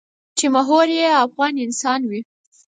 چې محور یې افغان انسان وي.